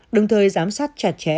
đồng thời giám sát chặt chẽ